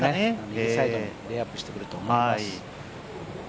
右サイド、レイアップしてくると思います。